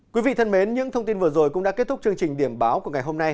quý vị thân mến những thông tin vừa rồi cũng đã kết thúc chương trình điểm báo của ngày hôm nay